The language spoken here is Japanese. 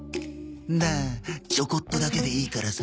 なあちょこっとだけでいいからさ。